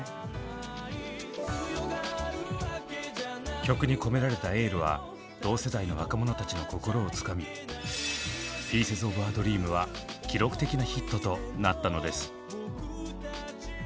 曲に込められたエールは同世代の若者たちの心をつかみ「ＰＩＥＣＥＳＯＦＡＤＲＥＡＭ」は記録的なヒットとなったのです。